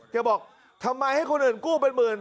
บอกทำไมให้คนอื่นกู้เป็นหมื่น